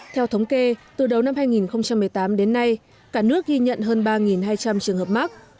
theo thống kê từ đầu năm hai nghìn một mươi tám đến nay cả nước ghi nhận hơn ba hai trăm linh trường hợp mắc